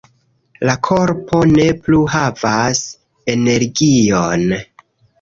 La korpo ne plu havas energion